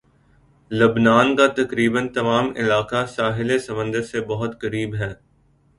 لبنان کا تقریباً تمام علاقہ ساحل سمندر سے بہت قریب ہے